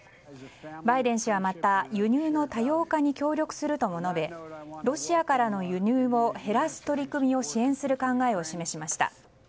バイデン氏はまた輸入の多様化に協力するとも述べロシアからの輸入を減らす取り組みを支援する考えを示しました。